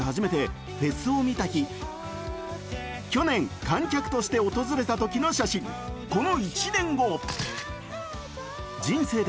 去年観客として訪れたときの写真、この１年後